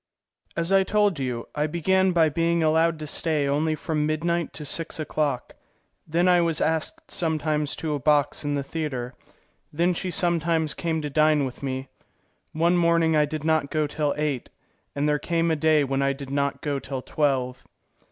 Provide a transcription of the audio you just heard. As I told you, I began by being allowed to stay only from midnight to six o'clock, then I was asked sometimes to a box in the theatre, then she sometimes came to dine with me. One morning I did not go till eight, and there came a day when I did not go till twelve.